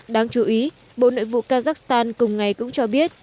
đáng chú ý bộ nội vụ kazakhstan cùng ngày cũng cho biết